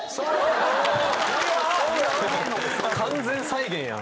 完全再現やん。